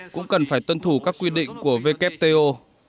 cũng cần phải tuân thủ các quy định của wto